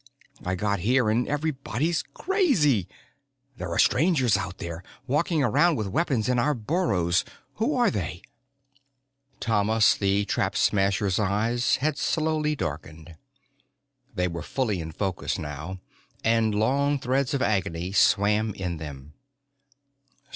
I got here, and everyone's crazy! There are Strangers out there, walking around with weapons in our burrows. Who are they?" Thomas the Trap Smasher's eyes had slowly darkened. They were fully in focus now, and long threads of agony swam in them.